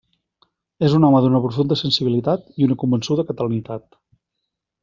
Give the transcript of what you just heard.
És un home d'una profunda sensibilitat i una convençuda catalanitat.